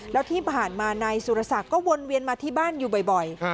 แล้วที่ผ่านมานายสุรศักดิ์ก็วนเวียนมาที่บ้านอยู่บ่อย